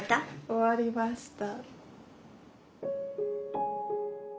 終わりました。